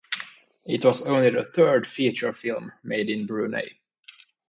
It was only the third feature film made in Brunei.